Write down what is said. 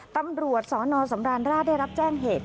ตำรวจสนสำราญราชได้รับแจ้งเหตุ